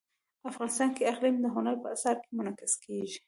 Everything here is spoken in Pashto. افغانستان کې اقلیم د هنر په اثار کې منعکس کېږي.